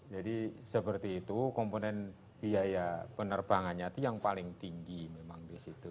jadi seperti itu komponen biaya penerbangannya itu yang paling tinggi memang disitu